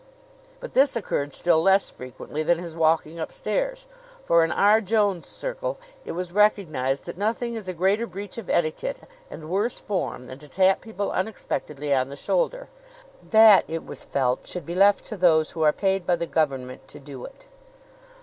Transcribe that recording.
But this occurred still less frequently than his walking upstairs; for in R. Jones' circle it was recognized that nothing is a greater breach of etiquette and worse form than to tap people unexpectedly on the shoulder. That, it was felt, should be left to those who are paid by the government to do it.